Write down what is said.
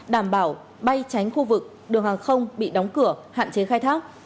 đảm bảo bay tránh khu vực đường hàng không bị đóng cửa hạn chế khai thác